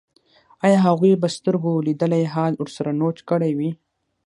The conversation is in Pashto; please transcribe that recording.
ایا هغوی به سترګو لیدلی حال ورسره نوټ کړی وي